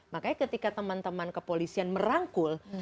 makanya ketika teman teman kepolisian merangkul